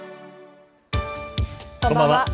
こんばんは。